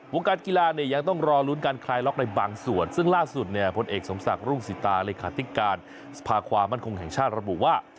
การกีฬาเนี่ยยังต้องรอลุ้นการคลายล็อกในบางส่วนซึ่งล่าสุดเนี่ยพลเอกสมศักดิ์รุ่งสิตาเลขาธิการสภาความมั่นคงแห่งชาติระบุว่า